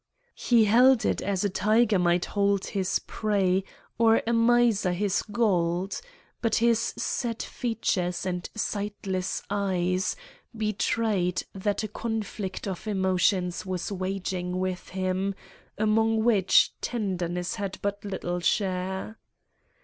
He held it as a tiger might hold his prey or a miser his gold, but his set features and sightless eyes betrayed that a conflict of emotions was waging within him, among which tenderness had but little share.